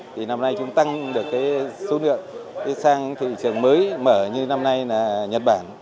thì năm nay chúng tăng được cái số lượng sang thị trường mới mở như năm nay là nhật bản